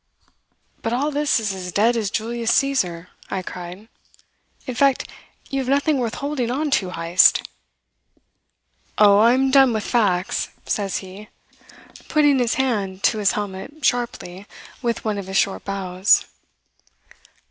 "'But all this is as dead as Julius Caesar,' I cried. 'In fact, you have nothing worth holding on to, Heyst.' "'Oh, I am done with facts,' says he, putting his hand to his helmet sharply with one of his short bows."